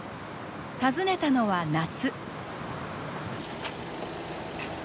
訪ねたのは夏。